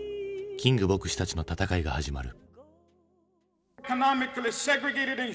キング牧師たちの闘いが始まる。